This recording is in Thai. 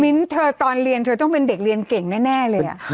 เธอตอนเรียนเธอต้องเป็นเด็กเรียนเก่งแน่เลย